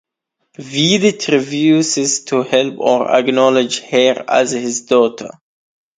Veidt refuses to help or acknowledge her as his daughter.